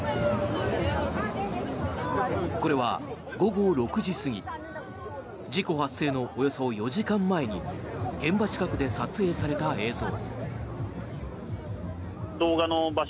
これは午後６時過ぎ事故発生のおよそ４時間前に現場近くで撮影された映像。